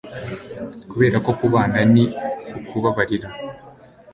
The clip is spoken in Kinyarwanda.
Kuberako kubana ni ukubabarira